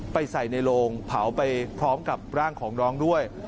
ใส่ในโลงเผาไปพร้อมกับร่างของน้องด้วย